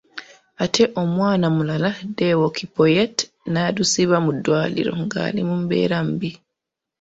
Ate omwana omulala Deo Kipoyet n'addusibwa mu ddwaliro nga ali mu mbeera mbi.